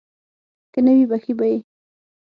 که نه وي بښي به یې.